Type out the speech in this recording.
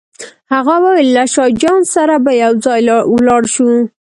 هغه وویل له شاه جان سره به یو ځای ولاړ شو.